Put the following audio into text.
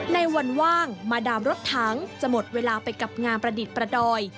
ในวันว่างมาดามรถถังจะหมดเวลาไปกับงานประดิษฐ์ประดอย